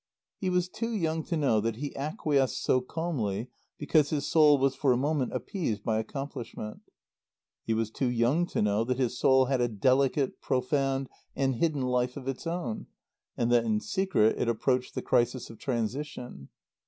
He was too young to know that he acquiesced so calmly because his soul was for a moment appeased by accomplishment. He was too young to know that his soul had a delicate, profound and hidden life of its own, and that in secret it approached the crisis of transition.